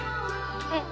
うん。